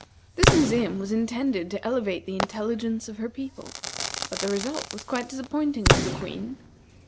This museum was intended to elevate the intelligence of her people, but the result was quite disappointing to the Queen.